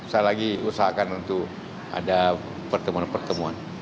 saya lagi usahakan untuk ada pertemuan pertemuan